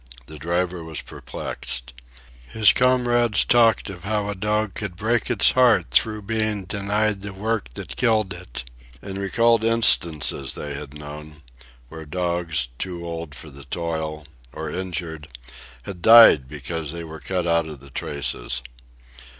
The driver was perplexed. His comrades talked of how a dog could break its heart through being denied the work that killed it, and recalled instances they had known, where dogs, too old for the toil, or injured, had died because they were cut out of the traces.